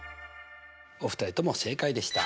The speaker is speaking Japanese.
お二人とも正解でした。